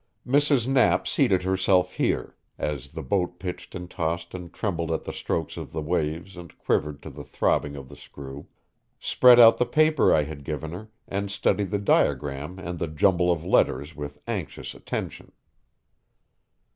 Mrs. Knapp seated herself here, as the boat pitched and tossed and trembled at the strokes of the waves and quivered to the throbbing of the screw, spread out the paper I had given her, and studied the diagram and the jumble of letters with anxious attention.